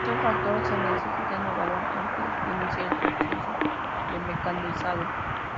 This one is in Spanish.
Diversos factores se necesitan evaluar antes de iniciar el proceso de mecanizado.